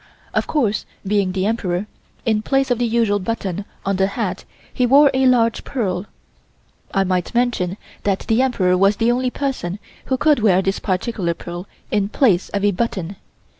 Of course, being the Emperor, in place of the usual button on the hat he wore a large pearl. I might mention that the Emperor was the only person who could wear this particular pearl in place of a button.